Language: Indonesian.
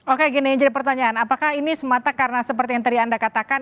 oke gini yang jadi pertanyaan apakah ini semata karena seperti yang tadi anda katakan